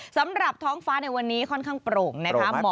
สำหรับท้องฟ้าในวันนี้ค่อนข้างโปร่งนะคะ